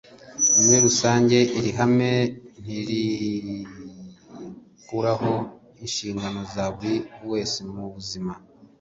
muri rusange. iri hame ntirikuraho inshingano za buri wese mu buzima,